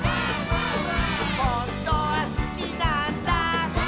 「ほんとはすきなんだ」